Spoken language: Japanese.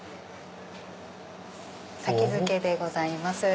先付けでございます。